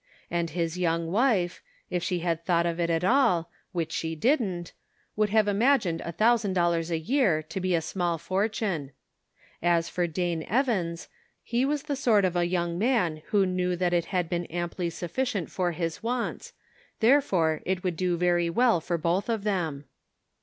And his young wife, if she had thought of it at all, which she didn't, would have imagined a thousand dollars a year to be a small fortune. As for Dane Evans, he was the sort of a young man who knew that it had been amply sufficient for his wants, therefore it would do very well for both of them.